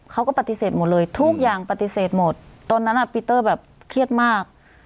เขาก็ปฏิเสธหมดเลยทุกอย่างปฏิเสธหมดตอนนั้นปีเตอร์แบบเครียดมาก